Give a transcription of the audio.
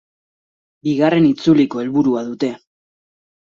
Bigarren itzuliko helburua dute.